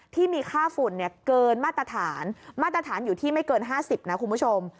ที่มีค่าฝุ่นเกินมาตรฐานมาตรฐานอยู่ที่ไม่เกิน๕๐นะคุณผู้ชม